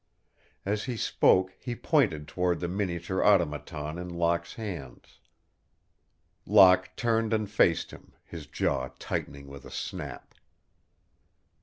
As he spoke he pointed toward the miniature automaton in Locke's hands. Locke turned and faced him, his jaw tightening with a snap.